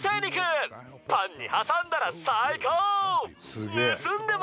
「パンに挟んだら最高！」